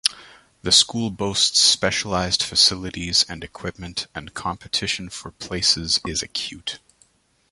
The schools boast specialised facilities and equipment and competition for places is acute.